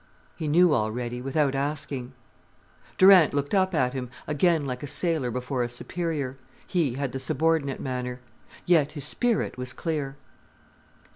He knew already, without asking. Durant looked up at him, again like a sailor before a superior. He had the subordinate manner. Yet his spirit was clear.